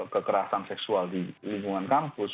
kekerasan seksual di lingkungan kampus